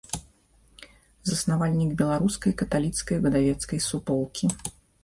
Заснавальнік беларускай каталіцкай выдавецкай суполкі.